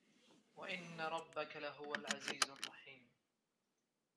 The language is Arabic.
وَإِنَّ رَبَّكَ لَهُوَ العَزيزُ الرَّحيمُ